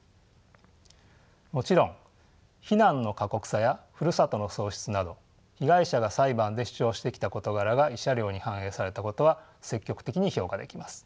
もちろん避難の過酷さやふるさとの喪失など被害者が裁判で主張してきた事柄が慰謝料に反映されたことは積極的に評価できます。